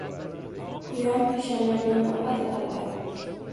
Quyun peshonamdan o’padi albat!